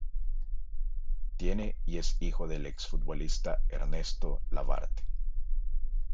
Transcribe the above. Tiene y es hijo del ex futbolista Ernesto Labarthe.